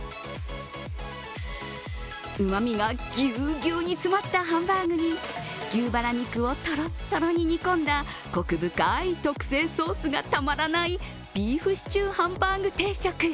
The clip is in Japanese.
うまみがぎゅうぎゅうに詰まったハンバーグに、牛バラ肉をトロットロに煮込んだこく深い特製ソースがたまらないビーフシチューハンバーグ定食。